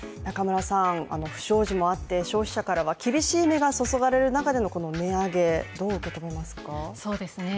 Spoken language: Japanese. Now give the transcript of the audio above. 不祥事もあって、消費者からは厳しい目が注がれる中でのこの値上げ、どう受け止めますか？